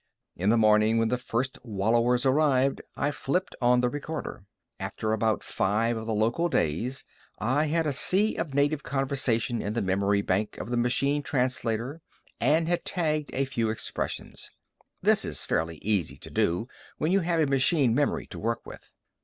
In the morning, when the first wallowers arrived, I flipped on the recorder. After about five of the local days, I had a sea of native conversation in the memory bank of the machine translator and had tagged a few expressions. This is fairly easy to do when you have a machine memory to work with.